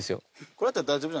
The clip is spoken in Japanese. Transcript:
これだったら大丈夫。